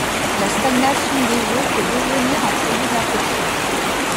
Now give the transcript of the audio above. La stagnation des eaux peut devenir un foyer d'infection.